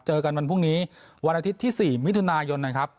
เจอกันวันพรุ่งนี้วันอาทิตย์ที่๔มิถุนายนนะครับ